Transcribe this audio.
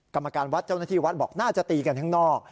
กรรมการวัดเจ้าหน้าที่วัดบอกน่าจะตีกันข้างนอก